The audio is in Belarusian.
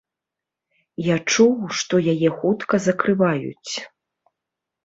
Я чуў, што яе хутка закрываюць.